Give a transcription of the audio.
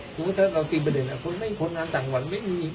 สมมุติถ้าเราตีประเด็นคนงานต่างวันไม่มี